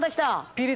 ピリ